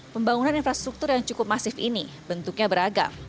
pembangunan infrastruktur yang cukup masif ini bentuknya beragam